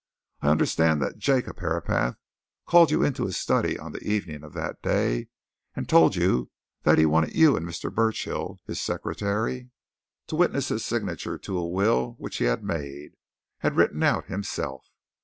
I understand that Jacob Herapath called you into his study on the evening of that day and told you that he wanted you and Mr. Burchill, his secretary, to witness his signature to a will which he had made had written out himself.